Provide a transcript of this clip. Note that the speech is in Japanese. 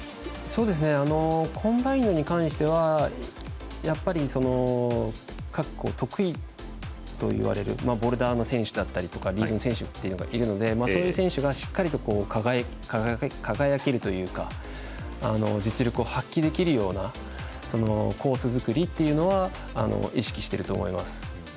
コンバインドに関してはやっぱり、得意と呼ばれるボルダーの選手だったりとかリードの選手っているのでそういう選手が、しっかりと輝けるというか実力を発揮できるようなコース作りっていうのは意識してると思います。